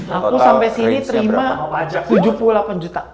aku sampai sini terima aja tujuh puluh delapan juta